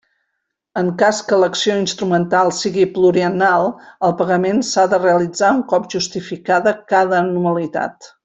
En cas que l'acció instrumental sigui pluriennal, el pagament s'ha de realitzar un cop justificada cada anualitat.